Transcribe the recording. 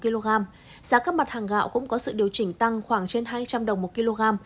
giá các mặt hàng gạo cũng có sự điều chỉnh tăng khoảng trên hai trăm linh đồng một kg